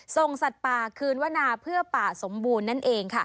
สัตว์ป่าคืนวนาเพื่อป่าสมบูรณ์นั่นเองค่ะ